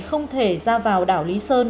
không thể ra vào đảo lý sơn